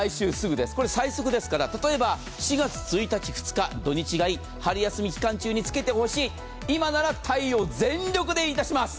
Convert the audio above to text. これは最速ですから、例えば４月１日、２日、土日がいい春休み期間中につけてほしい今なら対応、全力でいたします。